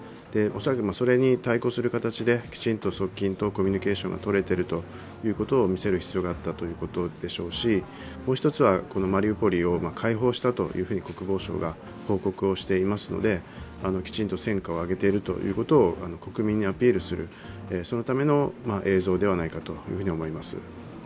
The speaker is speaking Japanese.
恐らくそれに対抗する形できちんと側近とコミュニケーションがとれていることを見せる必要があったということでしょうし、もう一つはマリウポリを解放したと国防省が発表していますのできちんと戦果を上げていることを国民にアピールするそのための映像ではないかと思います。